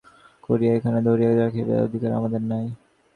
মহেন্দ্র কহিল, তোমাকে জোর করিয়া এখানে ধরিয়া রাখিবার অধিকার আমাদের নাই।